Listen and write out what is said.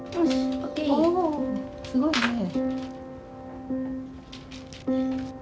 おすごいね。